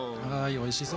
おいしそう！